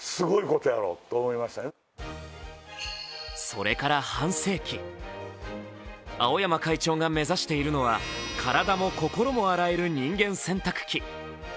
それから半世紀、青山会長が目指しているのは体も心も洗える人間洗濯機。